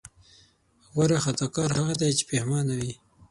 غوره خطاکار هغه دی چې پښېمانه وي.